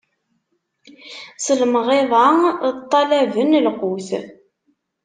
S lemɣiḍa ṭṭalaben lqut.